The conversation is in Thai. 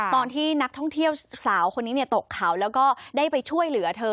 ตอนที่นักท่องเที่ยวสาวคนนี้ตกเขาแล้วก็ได้ไปช่วยเหลือเธอ